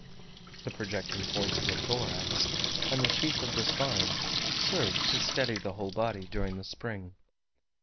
The projecting points of the thorax, and the sheath of the spine, served to steady the whole body during the spring.